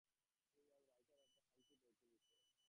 He was a writer for the Huntley Brinkley Report.